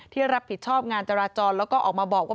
ที่รับผิดชอบงานจราจรแล้วก็ออกมาบอกว่า